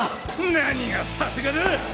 なにがさすがだ！